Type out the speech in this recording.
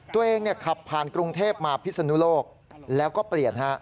ตัวเองขับผ่านกรุงเทพฯมาพิษณุโลกแล้วก็เปลี่ยน